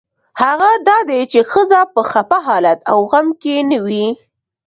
هغه دا دی چې ښځه په خپه حالت او غم کې نه وي.